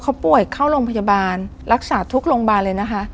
เขาป่วยเข้าโรงพยาบาลรักษาทุกโรงพยาบาลเลยนะคะ